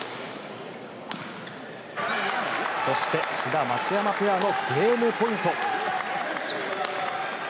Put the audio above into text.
そして志田、松山ペアのゲームポイント。